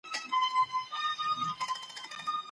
هغه څوک چې مقابله کوي، هیڅکله به د پښېمانۍ احساس ونه کړي.